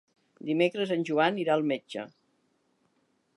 Dimecres en Joan irà al metge.